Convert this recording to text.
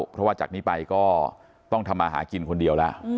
เพราะว่าจากนี้ไปก็ต้องทำมาหากินคนเดียวแล้ว